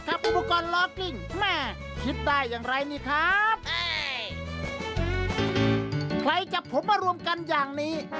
ใครที่จะพบมารวมกันอย่างนี้